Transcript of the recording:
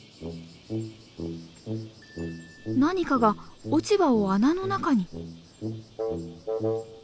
何かが落ち葉を穴の中に。